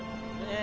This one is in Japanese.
え